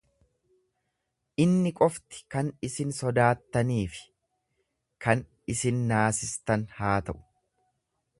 Inni qofti kan isin sodaattanii fi kan isin naasistan haa ta'u.